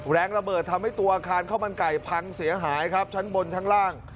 แรงระเบิดทำให้ตัวอาคารข้าวมันไก่พังเสียหายครับชั้นบนชั้นล่าง